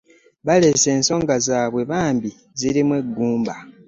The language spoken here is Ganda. Baleese ensonga zaabwe bambi nga zirimu eggumba.